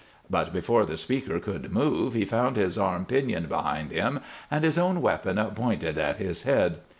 But before the speaker could move he found his arms pinioned behind him and his own weapon pointed at his head.